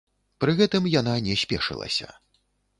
Пры гэтым яна не спешылася.